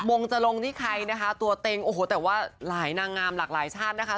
งงจะลงที่ใครนะคะตัวเต็งโอ้โหแต่ว่าหลายนางงามหลากหลายชาตินะคะ